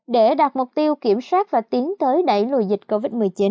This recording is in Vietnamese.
để đạt mục tiêu kiểm soát và tiến tới đẩy lùi dịch covid một mươi chín